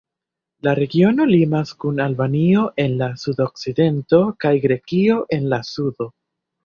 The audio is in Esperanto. La regiono limas kun Albanio en la sudokcidento kaj Grekio en la sudo.